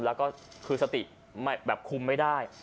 แล้วก็คือสติแบบคุมไม่ได้